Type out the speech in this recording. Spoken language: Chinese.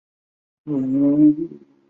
大王庙始建于清光绪十七年。